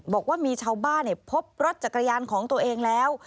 บอกว่ามีชาวบ้านพบรถจักรยานของตัวเองแล้ว